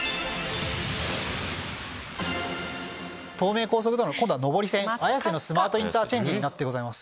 東名高速道路の今度は上り線綾瀬のスマートインターチェンジになってございます。